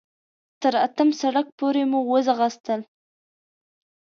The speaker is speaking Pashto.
تر اتم سړک پورې مو وځغاستل.